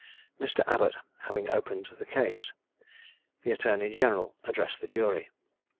Mr. Abbott having opened the case, The Attorney general addressed the jury.